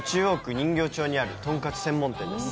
人形町にあるとんかつ専門店です。